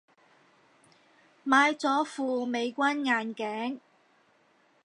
買咗副美軍眼鏡